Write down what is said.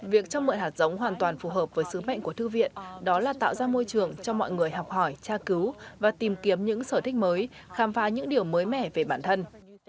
việc cho mượn hạt giống hoàn toàn phù hợp với sứ mệnh của thư viện đó là tạo ra môi trường cho mọi người học hỏi tra cứu và tìm kiếm những sở thích mới khám phá những điều mới mẻ về bản thân